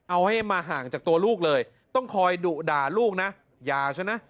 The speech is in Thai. เอาให้มาห่างจากตัวลูกเลยต้องคอยดุด่าลูกนะอย่าใช่ไหม